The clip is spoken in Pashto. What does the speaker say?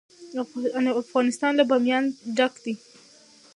افغانستان له بامیان ډک دی.